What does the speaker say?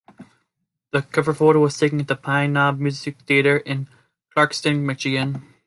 The cover photo was taken at the Pine Knob Music Theater in Clarkston, Michigan.